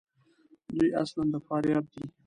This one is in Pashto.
دوی اصلاُ د فاریاب دي.